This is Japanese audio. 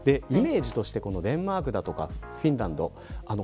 イメージとしてはデンマークやフィンランド